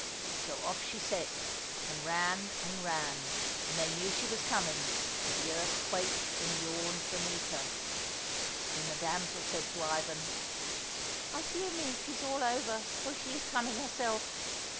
So off she set and ran and ran, and they knew she was coming, for the earth quaked and yawned beneath her. Then the damsel said to Ivan, " I fear me 'tis all over, for she is coming herself